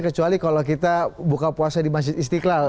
kecuali kalau kita buka puasa di masjid istiqlal